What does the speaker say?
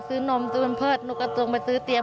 ซื้อนมซื้อบรรเภิษหนูก็ลงไปซื้อเตรียม